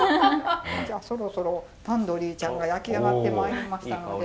じゃあそろそろタンドリーちゃんが焼き上がって参りましたので。